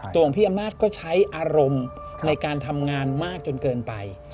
ตัวของพี่อำนาจก็ใช้อารมณ์ในการทำงานมากจนเกินไป